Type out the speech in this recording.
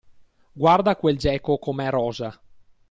Guarda quel geco com'è rosa!